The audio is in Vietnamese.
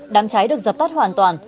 đám cháy được dập tắt hoàn toàn